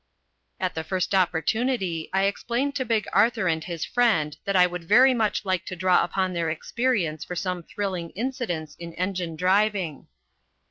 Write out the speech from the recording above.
At the first opportunity I explained to Big Arthur and his friend that I would very much like to draw upon their experience for some thrilling incidents in engine driving.